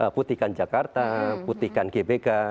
putihkan jakarta putihkan gbk